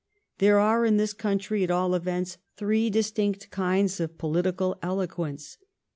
There are in this country, at all events, three distinct kinds of political eloquence.